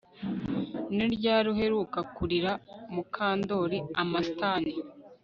Ni ryari uheruka kurira Mukandoli Amastan